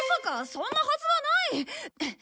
そんなはずはない！